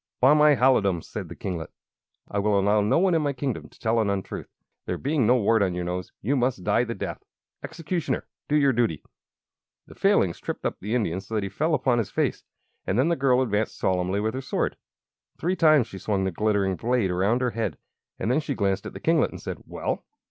"By my halidom!" said the kinglet, "I will allow no one in my kingdom to tell an untruth. There being no wart on your nose, you must die the death! Executioner, do your duty!" The Failings tripped up the Indian so that he fell upon his face, and then the girl advanced solemnly with her sword. Three times she swung the glittering blade around her head, and then she glanced at the kinglet and said: "Well!"